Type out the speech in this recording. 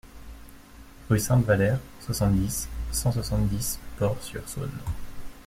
Rue Saint-Valère, soixante-dix, cent soixante-dix Port-sur-Saône